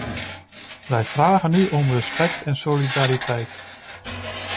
Wij vragen u om respect en solidariteit.